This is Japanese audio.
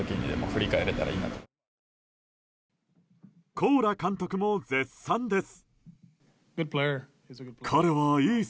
コーラ監督も絶賛です。